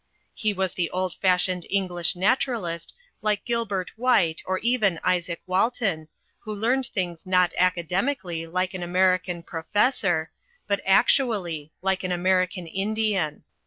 He was the old fashioned English Naturalist like Gil bert White or even Isaac Walton, who learned things not academically like an American Professor, but act ually, like an American Indian.